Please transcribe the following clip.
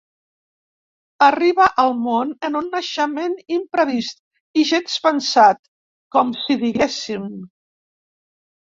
Arribà al món en un naixement imprevist i gens pensat, com si diguéssim.